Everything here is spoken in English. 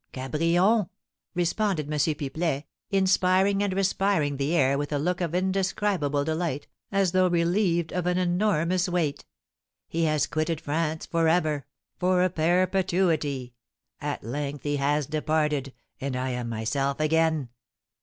"Cabrion!" responded M. Pipelet, inspiring and respiring the air with a look of indescribable delight, as though relieved of an enormous weight; "he has quitted France for ever for a perpetuity! At length he has departed, and I am myself again."